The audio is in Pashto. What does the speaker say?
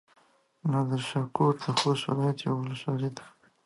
نادرشاه کوټ د خوست ولايت يوه ولسوالي ده.